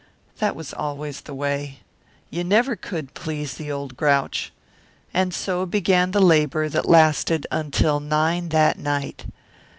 That was always the way. You never could please the old grouch. And so began the labour that lasted until nine that night.